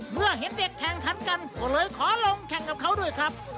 เมื่อเห็นเด็กแข่งขันกันก็เลยขอลงแข่งกับเขาด้วยครับ